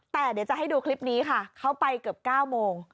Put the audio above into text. แต่เดี๋ยวจะให้ดูคลิปนี้ค่ะเขาไปเกือบ๙โมง